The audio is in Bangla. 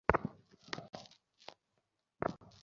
যদি তথ্য মিথ্যাও হয়, সামলে নিব।